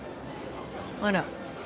あら？